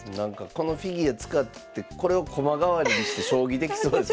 このフィギュア使ってこれを駒代わりにして将棋できそうですよね。